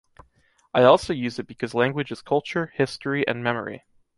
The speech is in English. I also use it because language is culture, history and memory.